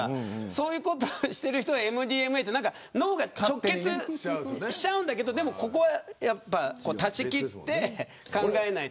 そういうことをしている人がＭＤＭＡって脳が直結しちゃうんだけどここは断ち切って考えないと。